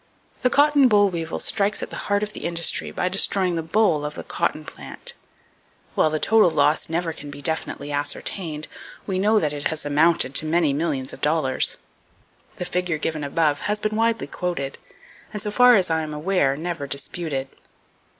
The cotton boll weevil strikes at the heart of the industry by destroying the boll of the cotton plant. While the total [Page 216] loss never can be definitely ascertained, we know that it has amounted to many millions of dollars. The figure given above has been widely quoted, and so far as I am aware, never disputed.